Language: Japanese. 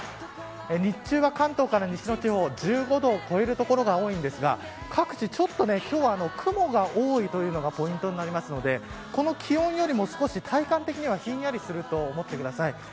日中は関東から西の地方は１５度を超える所が多いんですが各地ちょっと、今日は雲が多いのがポイントになるのでこの気温よりも少し体感的にはひんやりすると思ってください。